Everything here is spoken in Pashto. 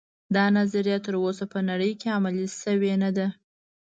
دا نظریه تر اوسه په نړۍ کې عملي شوې نه ده